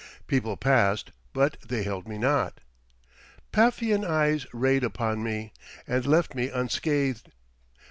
People passed, but they held me not. Paphian eyes rayed upon me, and left me unscathed.